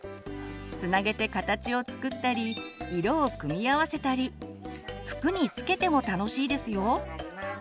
つなげて形を作ったり色を組み合わせたり服に付けても楽しいですよ！